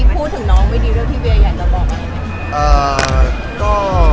พูดถึงน้องไม่ดีเรื่องพี่เวียอยากจะบอกอะไรไหมคะ